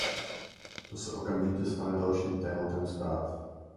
To se okamžitě stane dalším tématem zpráv.